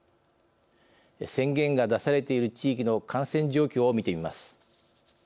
宣言が出されている地域の感染状況を見てみます。